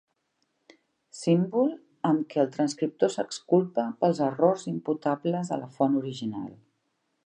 Símbol amb què el transcriptor s'exculpa pels error imputables a la font original.